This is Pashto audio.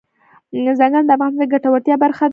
ځنګلونه د افغانانو د ګټورتیا برخه ده.